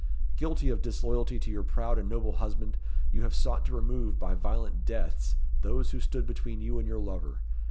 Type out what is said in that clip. Guilty of disloyalty to your proud and noble husband, you have sought to remove by violent deaths those who stood between you and your lover.